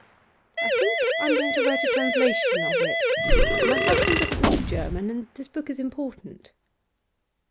'I think I'm going to write a translation of it. My husband doesn't read German, and this book is important.